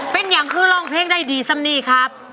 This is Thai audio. เป็นอย่างคือร้องเพลงได้ดีซ้ำนี่ครับ